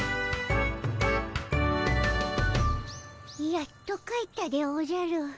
やっと帰ったでおじゃる。